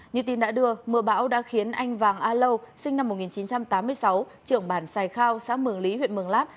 như tin đã đưa mưa bão đã khiến anh vàng a lâu sinh năm một nghìn chín trăm tám mươi sáu trưởng bản sài khao xã mường lý huyện mường lát